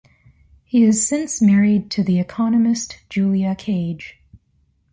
He is since married to the economist Julia Cage.